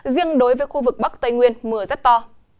riêng đối với khu vực bắc tây nguyên mưa rất to